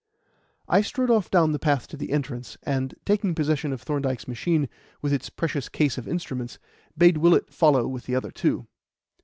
I strode off down the path to the entrance, and, taking possession of Thorndyke's machine, with its precious case of instruments, bade Willett follow with the other two.